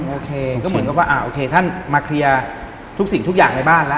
โอเคก็เหมือนกับว่าอ่าโอเคท่านมาเคลียร์ทุกสิ่งทุกอย่างในบ้านแล้ว